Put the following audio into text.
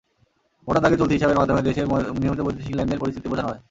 মোটা দাগে চলতি হিসাবের মাধ্যমে দেশের নিয়মিত বৈদেশিক লেনদেন পরিস্থিতি বোঝানো হয়।